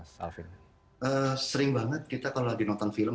sering banget kita kalau lagi nonton film